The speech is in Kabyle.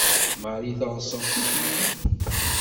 Marie teɣṣeb tikli.